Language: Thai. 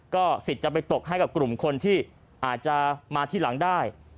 ก็สิทธิ์จะไปตกให้กับกลุ่มคนที่อาจจะมาที่หลังได้